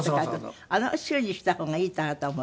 あの「愁」にした方がいいかなと思っている。